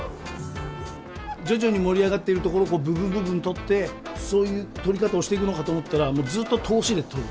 徐々に盛り上がっているところを部分部分撮って、そういう撮り方をしていくのかと思ったら、もうずっと通しで撮る。